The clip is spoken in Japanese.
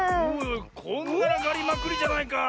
こんがらがりまくりじゃないかあ。